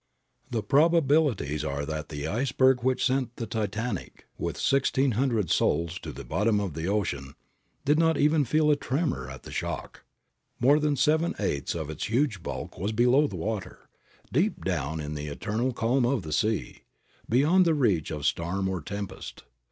The probabilities are that the iceberg which sent the Titanic, with sixteen hundred souls, to the bottom of the ocean did not even feel a tremor at the shock. More than seven eighths of its huge bulk was below the water, deep down in the eternal calm of the sea, beyond the reach of storm or tempest.